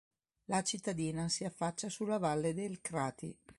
La cittadina si affaccia sulla valle del Crati.